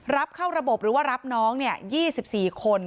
รับเข้าระบบหรือว่ารับน้องเนี่ยยี่สิบสี่คน